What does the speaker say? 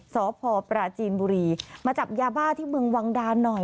สพปราจีนบุรีมาจับยาบ้าที่เมืองวังดานหน่อย